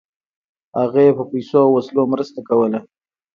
هغه یې په پیسو او وسلو مرسته کوله.